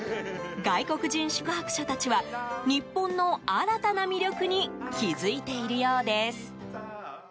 外国人宿泊者たちは日本の新たな魅力に気づいているようです。